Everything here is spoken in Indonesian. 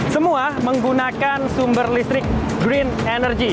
semua menggunakan sumber listrik green energy